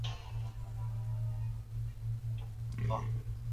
之后戏剧作品不断并往中国大陆发展。